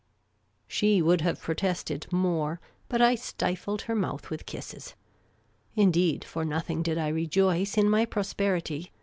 She would have protested more ; but I stifled her mouth with kisses. Indeed, for nothing did I rejoice in my pros perity